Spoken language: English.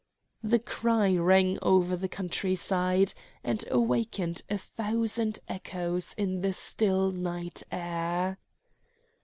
The cry rang over the country side and awakened a thousand echoes in the still night air.